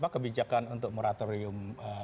kebijakan untuk moratorium